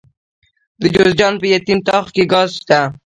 د جوزجان په یتیم تاغ کې ګاز شته.